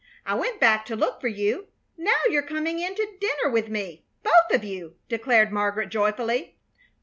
I went back to look for you. Now you're coming in to dinner with me, both of you," declared Margaret, joyfully.